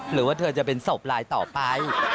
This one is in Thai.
หรือว่าเธอจะเป็นศพลายต่อไป